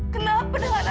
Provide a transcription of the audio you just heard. kenapa dengan anak kita pak